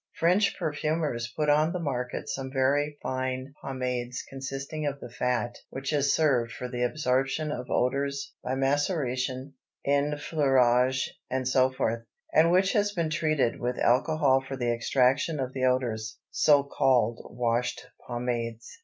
French perfumers put on the market some very fine pomades consisting of the fat which has served for the absorption of odors by maceration, enfleurage, etc., and which has been treated with alcohol for the extraction of the odors (so called washed pomades).